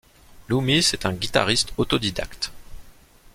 Loomis est un guitariste autodidacte.